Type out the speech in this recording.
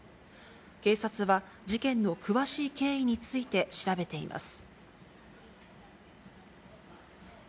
警察は事件の詳しい経緯について調べています。